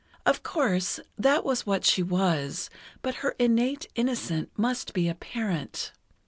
Of course, that was what she was, but her innate innocence must be apparent.